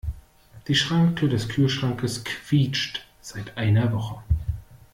Die Schranktür des Küchenschranks quietscht seit einer Woche.